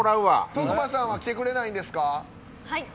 徳馬さんは来てくれないんですか。